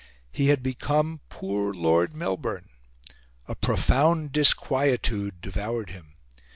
He had become "poor Lord Melbourne." A profound disquietude devoured him.